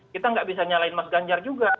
kita nggak bisa nyalain mas ganjar juga